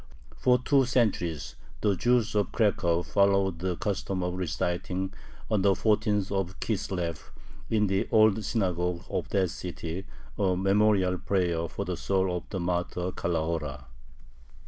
For two centuries the Jews of Cracow followed the custom of reciting, on the fourteenth of Kislev, in the old synagogue of that city, a memorial prayer for the soul of the martyr Calahora.